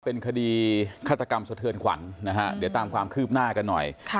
เป็นคดีฆาตกรรมสะเทือนขวัญนะฮะเดี๋ยวตามความคืบหน้ากันหน่อย